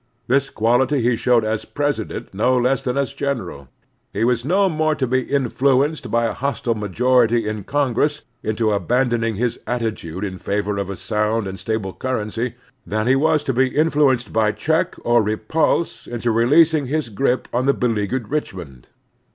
This quality he showed as President no less than as general. He was no more to be influenced by a hostile majority in Congress into abandoning his attitude in favor of a sotind and stable currency than he was to be influenced by check or repulse into releasing his grip on beleaguered Richmond.